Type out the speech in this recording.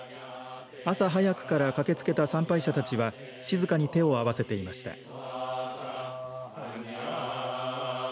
朝早くから駆けつけた参拝者たちは静かに手を合わせていました。